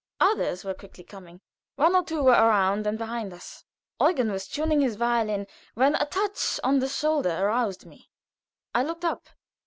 Others were quickly coming. One or two were around and behind us. Eugen was tuning his violin, when a touch on the shoulder roused me. I looked up.